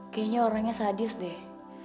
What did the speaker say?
kayaknya orangnya sadis deh